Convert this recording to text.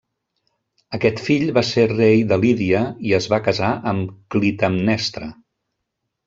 Aquest fill va ser rei de Lídia i es va casar amb Clitemnestra.